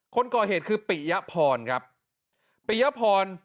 คนก่อเหตุคือปิยพรครับปิยพร